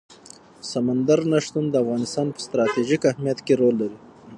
سمندر نه شتون د افغانستان په ستراتیژیک اهمیت کې رول لري.